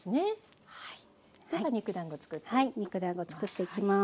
では肉だんごつくっていきます。